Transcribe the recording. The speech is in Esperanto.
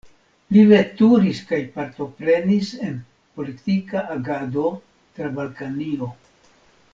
Li veturis kaj partoprenis en politika agado tra Balkanio.